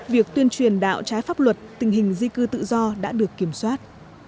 việc tuyên truyền đạo trái pháp luật tình hình di cư tự do đã được kiểm soát